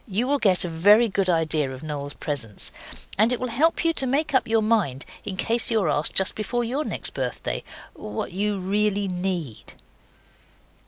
you will get a very good idea of Noel's presents, and it will help you to make up your mind in case you are asked just before your next birthday what you really NEED.